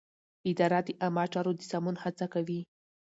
اداره د عامه چارو د سمون هڅه کوي.